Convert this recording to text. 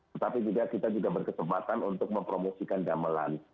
tetapi juga kita berkecepatan untuk mempromosikan gamelan